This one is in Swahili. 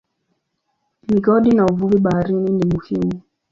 Migodi na uvuvi baharini ni muhimu.